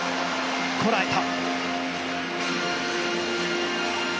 こらえた。